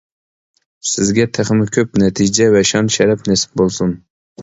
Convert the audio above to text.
سىزگە تېخىمۇ كۆپ نەتىجە ۋە شان-شەرەپ نېسىپ بولسۇن!